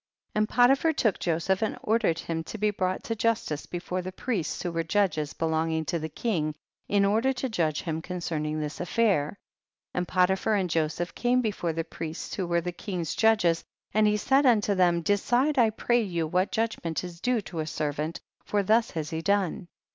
69. And Potiphar took Joseph and ordered him to be brought to justice before the priests, who were judges belonging to the king, in order to judge him concerning this aifair. 70. And Potiphar and Joseph came before the priests who were the king's judges, and he said unto them, decide I pray you what judg ment is due to a servant, for thus has he done.